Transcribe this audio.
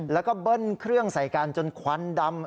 แล้วก็เบิ้ลเครื่องใส่กันจนควันดำ